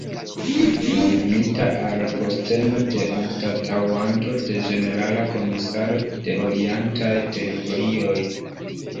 Nomumita al posteno de anstataŭanto de ĝenerala komisaro de Orientaj Teritorioj.